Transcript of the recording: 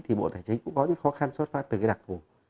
thì bộ tài chính cũng có những khó khăn xuất phát từ cái đặc thù